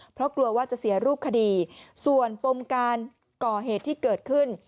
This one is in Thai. เพราะกลัวว่าจะเสียรูปคดีส่วนปมการก่อเหตุที่เกิดขึ้น